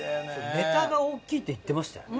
ネタが大きいって言ってましたよね。